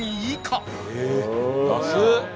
安っ！